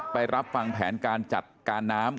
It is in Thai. ไปรับฟังแผนการจัดการน้ำ